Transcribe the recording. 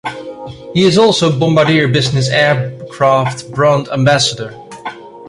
He is also Bombardier Business Aircraft brand ambassador.